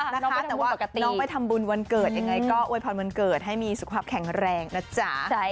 แต่ว่าปกติน้องไปทำบุญวันเกิดยังไงก็อวยพรวันเกิดให้มีสุขภาพแข็งแรงนะจ๊ะ